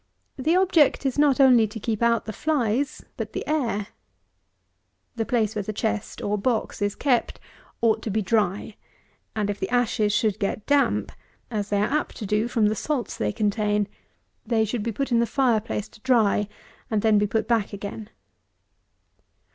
The object is not only to keep out the flies, but the air. The place where the chest, or box, is kept, ought to be dry; and, if the ashes should get damp (as they are apt to do from the salts they contain,) they should be put in the fire place to dry, and then be put back again.